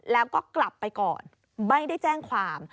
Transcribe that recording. แล้วก็กลับไปก่อนไม่ได้แจ้งความ